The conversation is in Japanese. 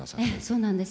そうなんです。